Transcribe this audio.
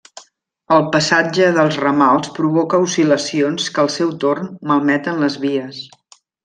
El passatge dels ramals provoca oscil·lacions que al seu torn malmeten les vies.